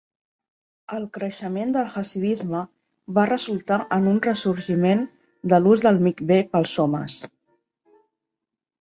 El creixement del hassidisme va resultar en un ressorgiment de l'ús dels micvé pels homes.